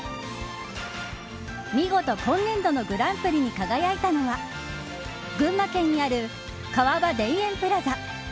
見事今年度のグランプリに輝いたのは群馬県にある川場田園プラザ。